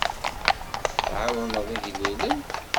Tɛawneḍ igellilen.